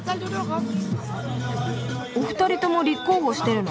お二人とも立候補してるの？